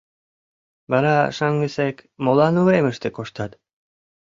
Вара шаҥгысек молан уремыште коштат?